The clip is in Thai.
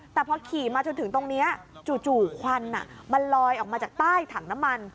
แต่พอขี่มาจนถึงตรงนี้จู่ควันมันลอยออกมาจากใต้ถังน้ำมัน